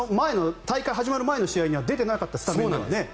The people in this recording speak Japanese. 大会が始まる前の試合には出ていなかった選手ですよね。